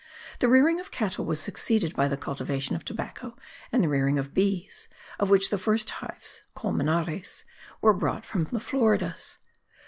The rearing of cattle was succeeded by the cultivation of tobacco and the rearing of bees, of which the first hives (colmenares) were brought from the Floridas.